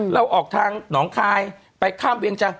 เราออกทางหนองคายไปข้ามเวียงจันทร์